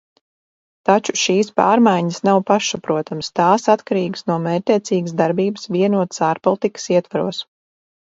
Taču šīs pārmaiņas nav pašsaprotamas, tās atkarīgas no mērķtiecīgas darbības vienotas ārpolitikas ietvaros.